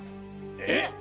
えっ？